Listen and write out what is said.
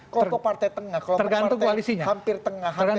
kelompok partai tengah kelompok partai hampir tengah hampir kanan hampir kiri